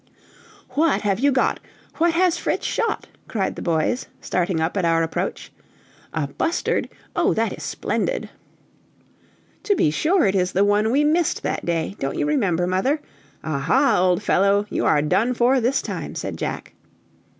"What have you got?" "What has Fritz shot?" cried the boys, starting up at our approach. "A bustard! oh, that is splendid!" "To be sure, it is the one we missed that day, don't you remember, mother? Ah, ha! old fellow, you are done for this time!" said Jack.